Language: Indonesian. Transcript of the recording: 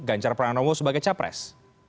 janjar pranowo sebagai capres